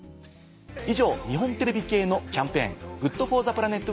以上日本テレビ系のキャンペーンＧｏｏｄＦｏｒｔｈｅＰｌａｎｅｔ